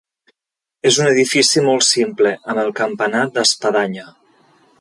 És un edifici molt simple, amb el campanar d'espadanya.